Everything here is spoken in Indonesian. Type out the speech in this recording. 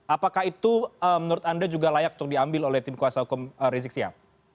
apakah itu menurut anda juga layak untuk diambil oleh tim kuasa hukum rizik sihab